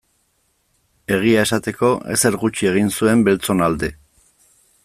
Egia esateko, ezer gutxi egin zuen beltzon alde.